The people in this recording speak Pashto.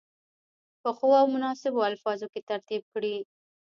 په ښو او مناسبو الفاظو کې ترتیب کړي.